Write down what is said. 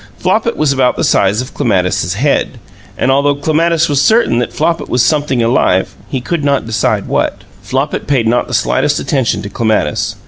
Flopit was about the size of Clematis's head, and although Clematis was certain that Flopit was something alive, he could not decide what. Flopit paid not the slightest attention to Clematis.